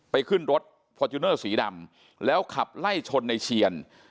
ขึ้นรถฟอร์จูเนอร์สีดำแล้วขับไล่ชนในเชียน